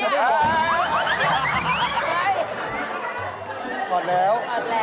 อะไรครับ